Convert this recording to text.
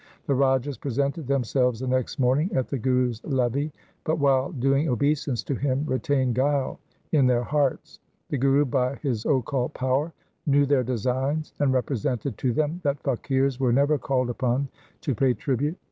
The Rajas presented themselves the next morning at the Guru's levee, but while doing obeisance to him retained guile in their hearts. The Guru, by his occult power, knew their designs, and represented to them that faqirs were never called upon to pay tribute.